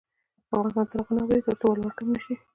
افغانستان تر هغو نه ابادیږي، ترڅو ولور کم نشي.